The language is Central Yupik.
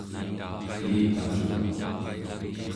kelipacuk